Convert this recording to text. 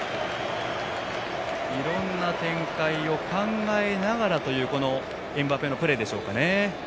いろんな展開を考えながらというエムバペのプレーでしょうかね。